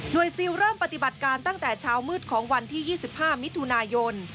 โดยซิลเริ่มปฏิบัติการตั้งแต่เช้ามืดของวันที่๒๕มิถุนายน